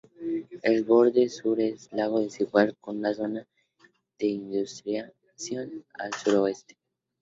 El borde sur es algo desigual, con una zona de intrusión al suroeste.